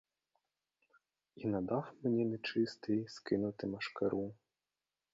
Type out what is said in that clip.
І надав мені нечистий скинути машкару.